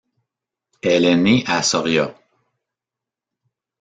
Elle est née à Soria.